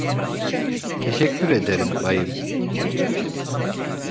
Teşekkür ederim bayım.